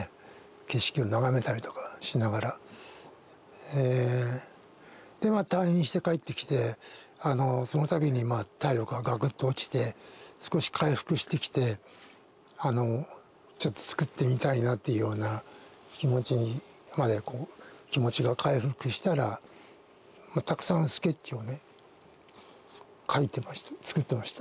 景色を眺めたりとかしながらえで退院して帰ってきてその度に体力がガクッと落ちて少し回復してきてちょっと作ってみたいなっていうような気持ちにまで気持ちが回復したらたくさんスケッチをね書いてました。